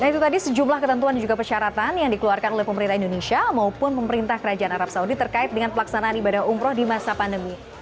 nah itu tadi sejumlah ketentuan dan juga persyaratan yang dikeluarkan oleh pemerintah indonesia maupun pemerintah kerajaan arab saudi terkait dengan pelaksanaan ibadah umroh di masa pandemi